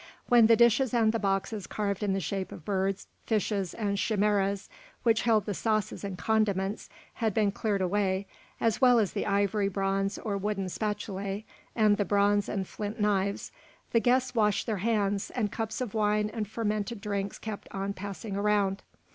When the dishes and the boxes carved in the shape of birds, fishes, and chimeras, which held the sauces and condiments, had been cleared away, as well as the ivory, bronze, or wooden spatulæ, and the bronze and flint knives, the guests washed their hands, and cups of wine and fermented drinks kept on passing around.